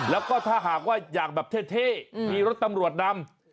แล้วก็ถ้าหากว่าอยากแบบเท่มีรถตำรวจนำ